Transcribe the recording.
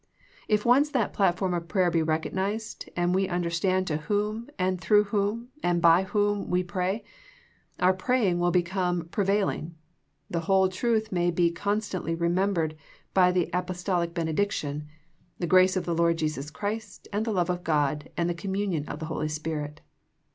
If once that platform of prayer be recognized and we un derstand to whom, and through whom and by whom we pray, our praying will become prevail ing. The whole truth may be constantly remem bered by the Apostolic benediction, " The grace of the Lord Jesus Christ, and the love of God, and the communion of the Holy Spirit."